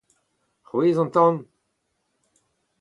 C'hwezh an tan.